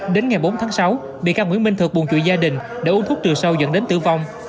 đến ngày bốn tháng sáu bị các nguyễn minh thược buồn chửi gia đình để uống thuốc từ sâu dẫn đến tử vong